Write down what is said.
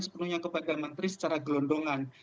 sepenuhnya kepada menteri secara gelondongan